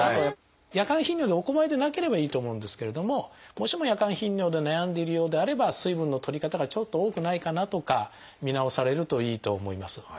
夜間頻尿でお困りでなければいいと思うんですけれどももしも夜間頻尿で悩んでいるようであれば水分のとり方がちょっと多くないかなとか見直されるといいと思います。